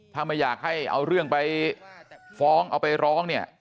ถ้าไม่อยากให้เอาเรื่องไปฟ้องเอาไปร้องเนี่ย